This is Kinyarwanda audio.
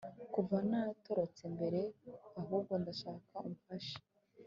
kuva natorotse mbere ahubwo ndashaka umfashe